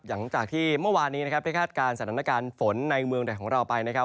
หลังจากที่เมื่อวานนี้นะครับได้คาดการณ์สถานการณ์ฝนในเมืองใดของเราไปนะครับ